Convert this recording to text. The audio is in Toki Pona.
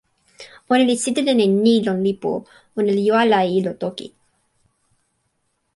ona li sitelen e ni lon lipu: ona li jo ala e ilo toki.